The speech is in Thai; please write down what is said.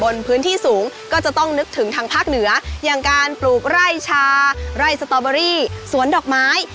พื้นที่สูงก็จะต้องนึกถึงทางภาคเหนืออย่างการปลูกไร่ชาไร่สตอเบอรี่สวนดอกไม้